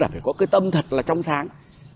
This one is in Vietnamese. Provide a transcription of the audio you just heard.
phải có cái tâm thật là trong sáng